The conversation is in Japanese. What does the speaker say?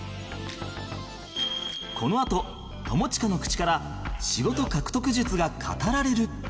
このあと友近の口から仕事獲得術が語られる